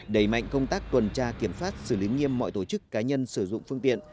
đẩy mạnh công tác tuần tra kiểm soát xử lý nghiêm mọi tổ chức cá nhân sử dụng phương tiện